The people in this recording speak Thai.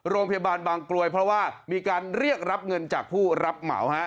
โรงพยาบาลบางกลวยเพราะว่ามีการเรียกรับเงินจากผู้รับเหมาฮะ